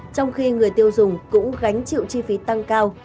trong khi người tiêu dùng cũng gánh chịu chi phí tăng cao